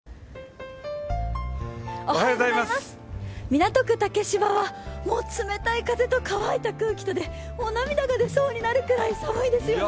港区竹芝は冷たい風と乾いた空気とで涙が出そうになるくらい寒いですよね。